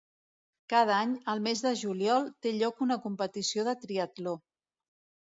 Cada any, al mes de juliol, té lloc una competició de triatló.